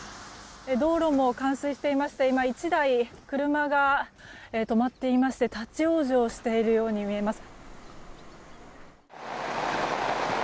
道路も冠水していまして今、１台車が止まっていまして立ち往生しているように見えます。